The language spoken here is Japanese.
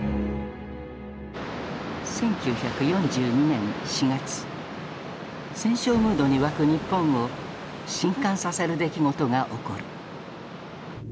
１９４２年４月戦勝ムードに沸く日本を震かんさせる出来事が起こる。